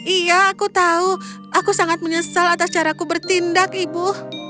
iya aku tahu aku sangat menyesal atas caraku bertindak ibu